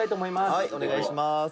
「はいお願いします」